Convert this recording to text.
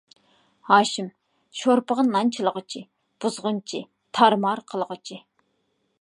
ھاشىم : شورپىغا نان چىلىغۇچى، بۇزغۇنچى، تارمار قىلغۇچى.